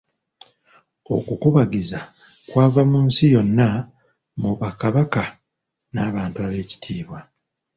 Okukubagiza kwava mu nsi yonna mu bakabaka n'abantu ab'ekitiibwa.